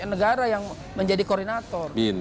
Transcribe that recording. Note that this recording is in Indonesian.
negara yang menjadi koordinator